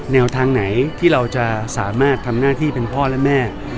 แนวทางไหนที่เราจะสามารถทำหน้าที่เป็นพ่อและแม่